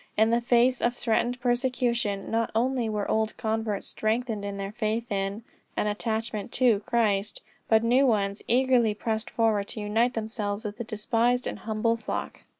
In the face of threatened persecution not only were old converts strengthened in their faith in, and attachment to Christ, but new ones eagerly pressed forward to unite themselves with the despised and humble flock.